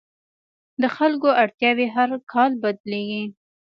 د خلکو اړتیاوې هر کال بدلېږي.